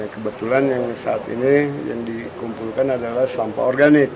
kebetulan yang saat ini yang dikumpulkan adalah sampah organik